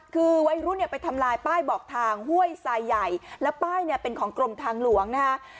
คือวัยรุ่นเนี่ยไปทำลายป้ายบอกทางห้วยทรายใหญ่แล้วป้ายเนี่ยเป็นของกรมทางหลวงนะฮะ